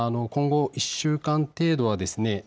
今後、１週間程度はですね